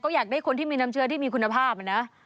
ก็อยากมีคนที่มีน้ำเชื้อมีคุณภาพ